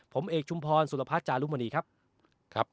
ผมเอกชุมพรสุรพัฒน์จารุมณีครับครับ